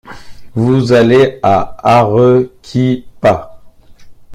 Vous allez à Arequipa.